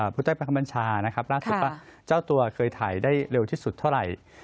ผู้ใจประคบรรชานะครับครับครับเจ้าตัวเคยถ่ายได้เร็วที่สุดเท่าไหร่